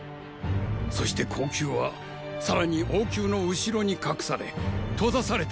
そして後宮はさらに王宮の後ろに隠され閉ざされた城です。